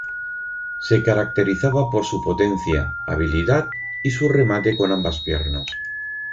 Se caracterizaba por su potencia, habilidad, y su remate con ambas piernas.